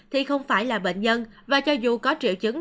thì không phải là bệnh nhân và cho dù có triệu chứng